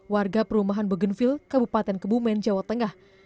warga perumahan begenvil kabupaten kebumen jawa tengah